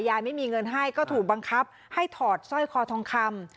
ยายไม่มีเงินให้ก็ถูกบังคับให้ถอดสร้อยคอทองคำ